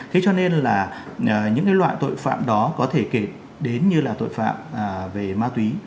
thế cho nên là những cái loại tội phạm đó có thể kể đến như là tội phạm về ma túy